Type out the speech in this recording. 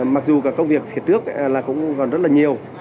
mặc dù cả công việc phía trước là cũng còn rất là nhiều